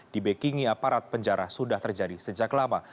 dibekingi aparat penjara sudah terjadi sejak lama